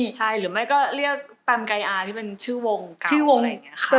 ใช่หรือไม่ก็เรียกแปมไก่อาที่เป็นชื่อวงการชื่อวงอย่างนี้ค่ะ